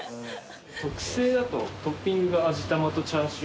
特製だとトッピングが味玉とチャーシュー。